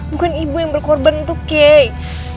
bukan ibu yang berkorban untuk kay